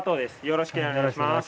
よろしくお願いします。